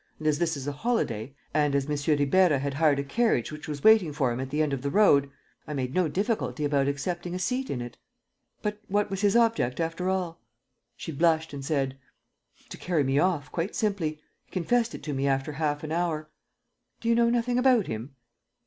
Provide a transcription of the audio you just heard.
And, as this is a holiday and as M. Ribeira had hired a carriage which was waiting for him at the end of the road, I made no difficulty about accepting a seat in it." "But what was his object, after all?" She blushed and said: "To carry me off, quite simply. He confessed it to me after half an hour. ..." "Do you know nothing about him?"